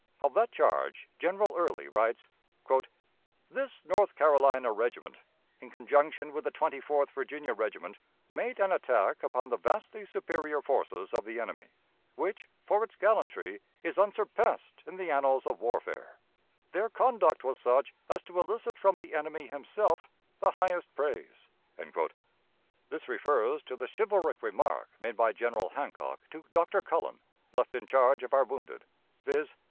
Of that charge General Early writes: "This North Carolina Regiment, in conjunction with the Twenty fourth Virginia Regiment, made an attack upon the vastly superior forces of the enemy, which for its gallantry is unsurpassed in the annals of warfare: their conduct was such as to elicit from the enemy himself the highest praise." This refers to the chivalric remark made by General Hancock to Dr. Cullen, left in charge of our wounded, viz.